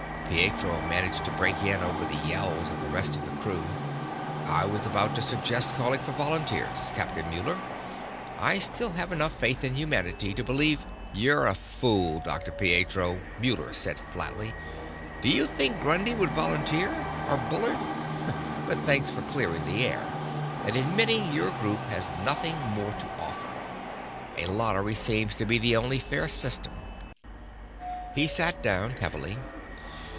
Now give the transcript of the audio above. Pietro managed to break in over the yells of the rest of the crew. "I was about to suggest calling for volunteers, Captain Muller. I still have enough faith in humanity to believe...." "You're a fool, Dr. Pietro," Muller said flatly. "Do you think Grundy would volunteer? Or Bullard? But thanks for clearing the air, and admitting your group has nothing more to offer. A lottery seems to be the only fair system." He sat down heavily.